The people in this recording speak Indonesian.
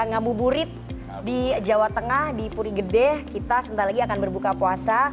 ngabuburit di jawa tengah di puri gede kita sebentar lagi akan berbuka puasa